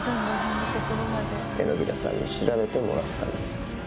榎田さんに調べてもらったんです。